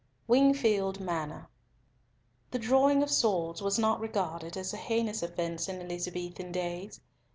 WINGFIELD MANOR. The drawing of swords was not regarded as a heinous offence in Elizabethan days.